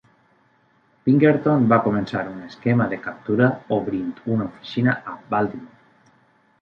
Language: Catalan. Pinkerton va començar un esquema de captura obrint una oficina a Baltimore.